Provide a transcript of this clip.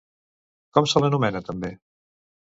Com se l'anomena també?